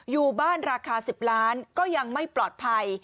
อยู่บ้านราคา๑๐ล้านก็ยังไม่ปลอดภัย